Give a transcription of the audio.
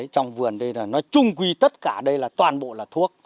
trong vườn đây là nói chung quy tất cả đây là toàn bộ là thuốc